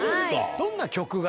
どんな曲が？